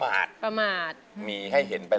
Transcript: อายุ๒๔ปีวันนี้บุ๋มนะคะ